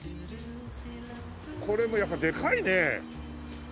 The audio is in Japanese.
これもやっぱでかいね。